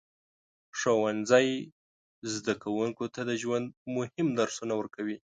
ښوونځی زده کوونکو ته د ژوند مهم درسونه ورکوي.